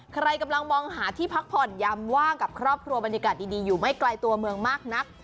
ใครกำลังมองหาที่พักผ่อนยำว่างกับครอบครัวบรรยากาศดีอยู่ไม่ไกลตัวเมืองมากนัก